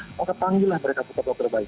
angkat tanggilan mereka tetap berbaik